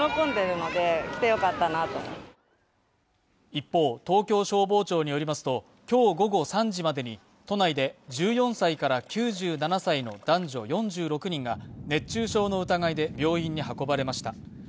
一方、東京消防庁によりますと、今日午後３時までに都内で１４歳から９７歳の男女４６人が熱中症の疑いで病院に運ばれました。